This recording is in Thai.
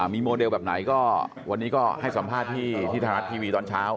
มีโมเดลแบบไหนก็วันนี้ก็ให้สัมภาษณ์ที่ไทยรัฐทีวีตอนเช้า